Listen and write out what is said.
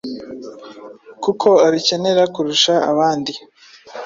kuko abikenera kurusha abandi